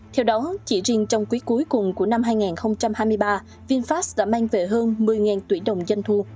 theo đó chỉ riêng trong quý cuối cùng của năm hai nghìn hai mươi ba vinfast đã mang về hơn một mươi tỷ đồng doanh thu